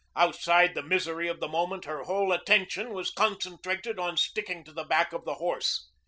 Outside the misery of the moment her whole attention was concentrated on sticking to the back of the horse.